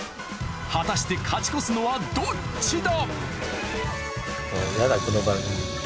果たして勝ち越すのはどっちだ！？